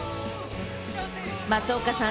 松岡さん